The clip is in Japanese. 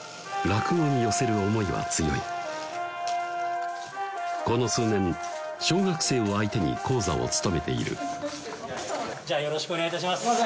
落語に寄せる思いは強いこの数年小学生を相手に高座を務めているじゃあよろしくお願いいたします